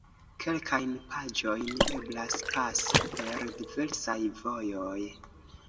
Kelkajn paĝojn eblas pasi per diversaj vojoj.